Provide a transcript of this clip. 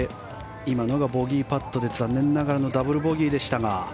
今のがボギーパットで残念ながらのダブルボギーでしたが。